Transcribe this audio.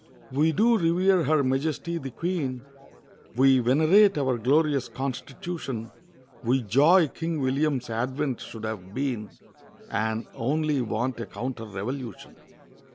We do revere Her Majesty the Queen, We venerate our Glorious Constitution; We joy King William's advent should have been, And only want a Counter Revolution.